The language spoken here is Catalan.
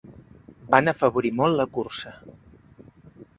Van afavorir molt la cursa.